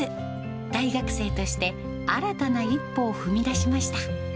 大学生として新たな一歩を踏み出しました。